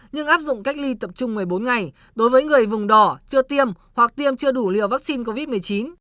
nhưng áp dụng cách ly tập trung một mươi bốn ngày đối với người vùng đỏ chưa tiêm hoặc tiêm chưa đủ liều vaccine covid một mươi chín